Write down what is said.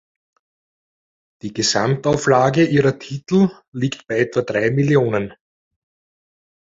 Die Gesamtauflage ihrer Titel liegt bei etwa drei Millionen.